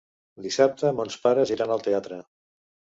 Dissabte mons pares iran al teatre.